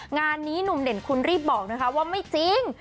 งานนี้หนุ่มเด่นคุณรีบบอกนะคะว่าไม่จริง